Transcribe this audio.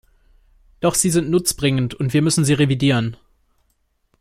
Doch sie sind nutzbringend, und wir müssen sie revidieren.